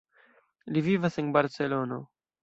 Li vivas en Barcelono.